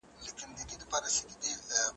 زما د زړه صبرېدل ګران دي